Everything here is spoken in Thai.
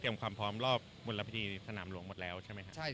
ความพร้อมรอบมลพิธีสนามหลวงหมดแล้วใช่ไหมครับ